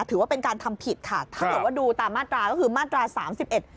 ถือว่าเป็นการทำผิดค่ะถ้าเกิดว่าดูตามมาตราก็คือมาตราสามสิบเอ็ด